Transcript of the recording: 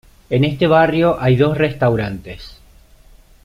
En este barrio hay dos restaurantes.